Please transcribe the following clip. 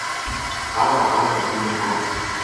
Ara la Clara és a punt de plorar.